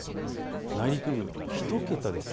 内陸部１桁です。